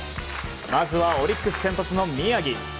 まずはオリックス先発の宮城。